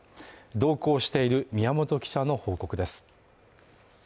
同行している宮本記者の報告です。